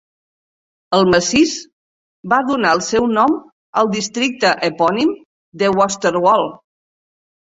El massís va donar el seu nom al districte epònim de Westerwald.